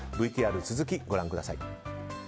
ＶＴＲの続きご覧ください。